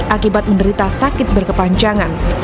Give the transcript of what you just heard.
akibat menderita sakit berkepanjangan